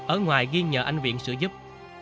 ở ngoài ghi nhờ anh viện sửa giúp